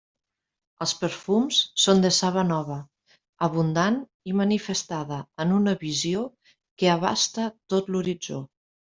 Els perfums són de saba nova, abundant i manifestada en una visió que abasta tot l'horitzó.